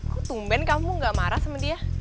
kok tumben kamu gak marah sama dia